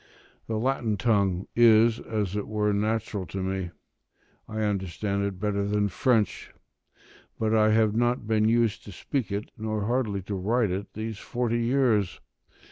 The Latin tongue is as it were natural to me; I understand it better than French; but I have not been used to speak it, nor hardly to write it, these forty years.